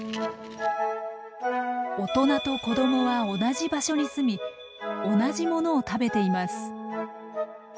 大人と子供は同じ場所にすみ同じものを食べています。